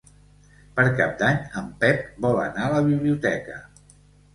Per Cap d'Any en Pep vol anar a la biblioteca.